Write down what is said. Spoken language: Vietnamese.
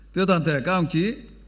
thưa toàn thể các ông chí